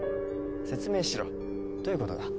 説明しろどういうことだ？